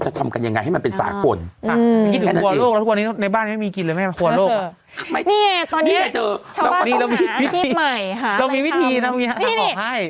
ชาวบ้านต้องหาอาชีพใหม่เรามีวิธีเรามีหักรอให้